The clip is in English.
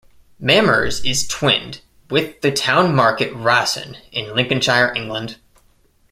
Mamers is twinned with the town Market Rasen in Lincolnshire, England.